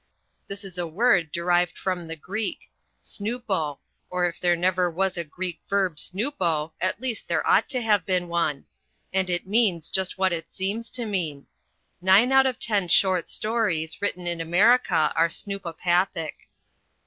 This is a word derived from the Greek "snoopo" or if there never was a Greek verb snoopo, at least there ought to have been one and it means just what it seems to mean. Nine out of ten short stories written in America are snoopopathic.